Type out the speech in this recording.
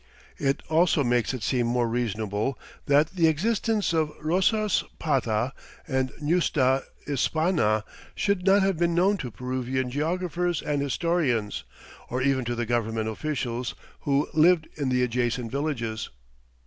It also makes it seem more reasonable that the existence of Rosaspata and ñusta Isppana should not have been known to Peruvian geographers and historians, or even to the government officials who lived in the adjacent villages.